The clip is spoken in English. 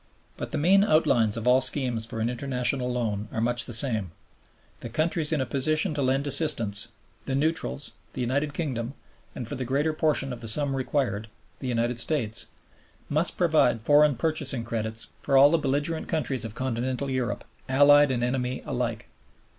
But the main outlines of all schemes for an international loan are much the same, The countries in a position to lend assistance, the neutrals, the United Kingdom, and, for the greater portion of the sum required, the United States, must provide foreign purchasing credits for all the belligerent countries of continental Europe, allied and ex enemy alike.